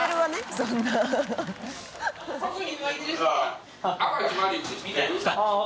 そんな